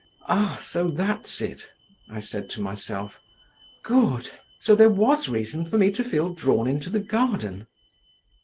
"Ah! so that's it!" I said to myself; "good! So there was reason for me to feel drawn into the garden!